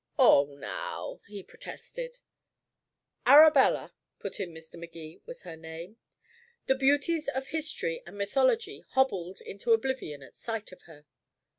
"Oh, now " he protested. "Arabella," put in Mr. Magee, "was her name. The beauties of history and mythology hobbled into oblivion at sight of her."